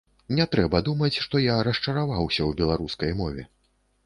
Не трэба думаць, што я расчараваўся ў беларускай мове.